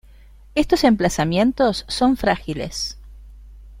Estos emplazamientos son frágiles.